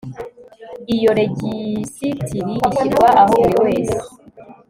iyo rejisitiri ishyirwa aho buri wese